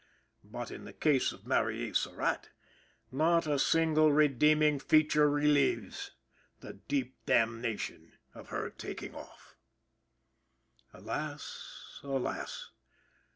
But, in the case of Mary E. Surratt, not a single redeeming feature relieves "The deep damnation of her taking off." Alas! Alas!